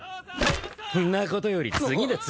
んなことより次だ次！